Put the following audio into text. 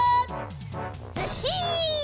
ずっしん！